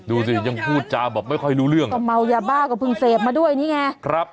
ดูสิยังพูดจาแบบไม่ค่อยรู้เรื่องก็เมายาบ้าก็เพิ่งเสพมาด้วยนี่ไงครับ